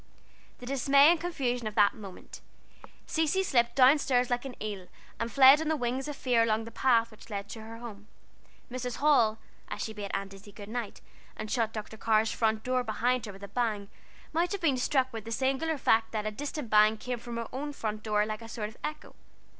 The dismay and confusion of that moment! Cecy slipped down stairs like an eel, and fled on the wings of fear along the path which led to her home. Mrs. Hall, as she bade Aunt Izzie good night, and shut Dr. Carr's front door behind her with a bang, might have been struck with the singular fact that a distant bang came from her own front door like a sort of echo.